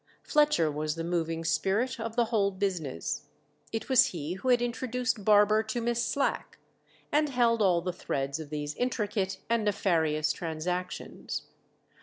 Fletcher was the moving spirit of the whole business. It was he who had introduced Barber to Miss Slack, and held all the threads of these intricate and nefarious transactions.